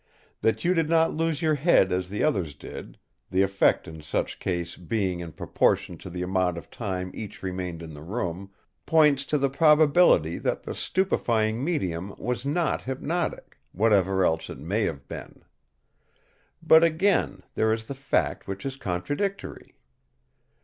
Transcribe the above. That you did not lose your head as the others did—the effect in such case being in proportion to the amount of time each remained in the room—points to the probability that the stupefying medium was not hypnotic, whatever else it may have been. But again, there is a fact which is contradictory.